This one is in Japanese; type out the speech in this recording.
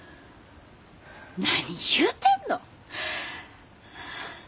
何言うてんの！